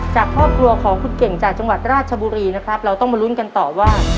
จากครอบครัวของคุณเก่งจากจังหวัดราชบุรีนะครับเราต้องมาลุ้นกันต่อว่า